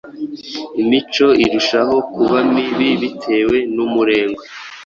Imico irushaho kuba mibi bitewe n‟umurengwe.